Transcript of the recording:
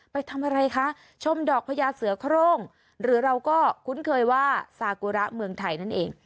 ไปทำอะไรคะชมดอกพญาเสือโครงหรือเราก็คุ้นเคยว่าซากุระเมืองไทยนั่นเอง